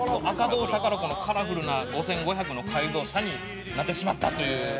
「赤胴車からこのカラフルな５５００の改造車になってしまったという」